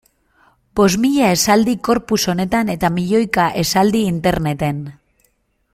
Bost mila esaldi corpus honetan eta milioika esaldi interneten.